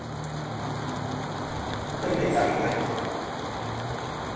Ghɨ teyn mey nsaʼ yem layn.